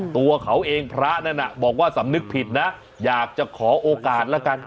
ตัวเขาเองพระนั้นบอกว่าสำนึกผิดนะอยากจะขอโอกาสแล้วกัน